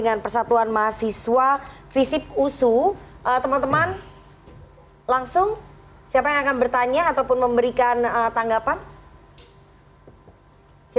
haris silahkan haris